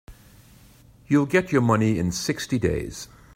You'll get your money in sixty days.